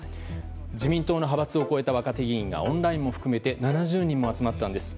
自民党の派閥を超えた若手議員がオンラインを含めて７０人も集まったんです。